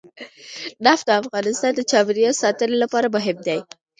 نفت د افغانستان د چاپیریال ساتنې لپاره مهم دي.